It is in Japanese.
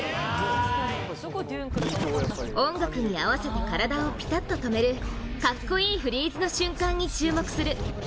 音楽に合わせて体をピタッと止めるかっこいいフリーズの瞬間に注目する。